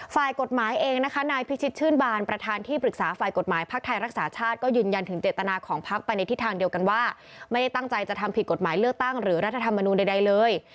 ฝ่ายกฎหมายเองนะคะนายพิชิตชื่นบานประธานที่ปรึกษาฝ่ายกฎหมายพักไทยรักษาชาติก็ยืนยันถึงเจตนาของพักไปในทิศทางเดียวกันว่าไม่ได้ตั้งใจจะทำผิดกฎหมายเลือกตั้งหรือรัฐธรรมนูลใดเลย